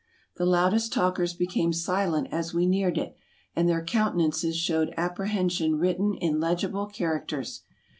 The loudest talkers became silent as we neared it, and their countenances showed apprehension written in legible char acters.